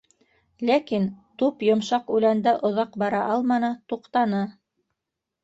Ләкин туп йомшаҡ үләндә оҙаҡ бара алманы, туҡтаны.